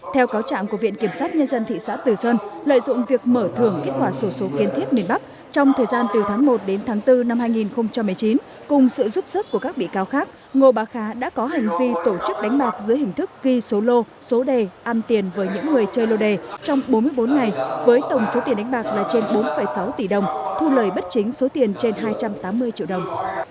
theo cáo trạng của viện kiểm sát nhân dân thị xã từ sơn lợi dụng việc mở thường kết quả sổ số kiên thiết miền bắc trong thời gian từ tháng một đến tháng bốn năm hai nghìn một mươi chín cùng sự giúp sức của các bị cáo khác ngô bà khá đã có hành vi tổ chức đánh bạc giữa hình thức ghi số lô số đề ăn tiền với những người chơi lô đề trong bốn mươi bốn ngày với tổng số tiền đánh bạc là trên bốn sáu tỷ đồng thu lời bất chính số tiền trên hai trăm tám mươi triệu đồng